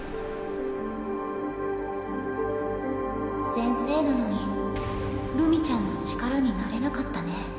先生なのにるみちゃんの力になれなかったね。